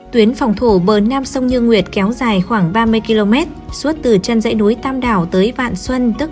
tuyến phòng thủ bờ nam sông như nguyệt kéo dài khoảng ba mươi km suốt từ chân dãy núi tam đảo tới vạn xuân tức